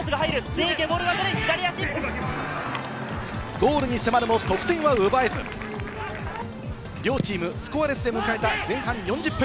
ゴールに迫るも得点は奪えず、両チームスコアレスで迎えた前半４０分。